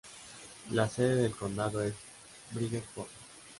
La sede del condado es Bridgeport.